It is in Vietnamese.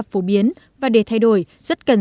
phổ biến và để thay đổi rất cần